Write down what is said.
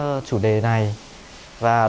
và cái tình yêu này của họ